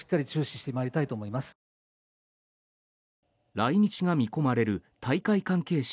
来日が見込まれる大会関係者